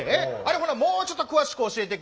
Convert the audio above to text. ほなもうちょっと詳しく教えてくれる？